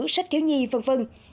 sách thiếu nhi v v